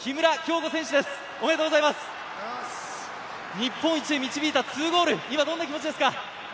日本一へ導いた２ゴール、今どんな気持ちですか？